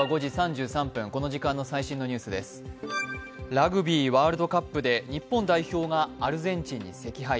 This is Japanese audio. ラグビーワールドカップで、日本代表がアルゼンチンに惜敗。